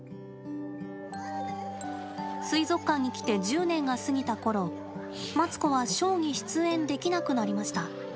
水族館に来て１０年が過ぎたころマツコはショーに出演できなくなりました。